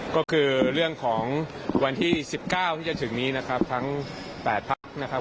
ก็คือเรื่องของวันที่๑๙ที่จะถึงนี้นะครับทั้ง๘พักนะครับ